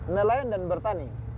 nelayan dan bertani